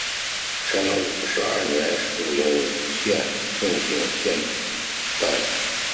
乾隆五十二年署荣县贡井县丞。